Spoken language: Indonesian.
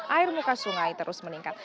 air muka sungai terus meningkat